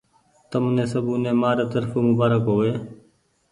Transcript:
تمني سبوني مآري ترڦو مبآرڪ هووي۔